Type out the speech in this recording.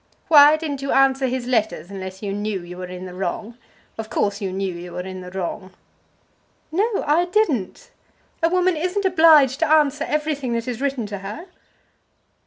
"Why didn't you answer his letters, unless you knew you were in the wrong? Of course you knew you were in the wrong." "No; I didn't. A woman isn't obliged to answer everything that is written to her."